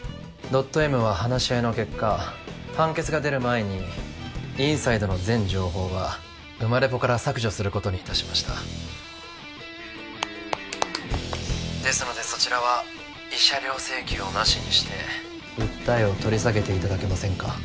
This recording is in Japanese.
ドットＭは話し合いの結果判決が出る前にｉｎｓｉｄｅの全情報はウマレポから削除することにいたしました☎ですのでそちらは慰謝料請求をなしにして訴えを取り下げていただけませんか？